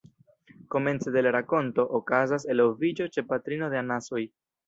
Komence de la rakonto, okazas eloviĝo ĉe patrino de anasoj.